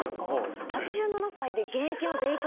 ８７歳で。